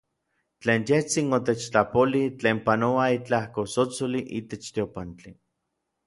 Tlen yejtsin otechtlapolij, tlen panoua itlajko tsotsoli itech teopantli.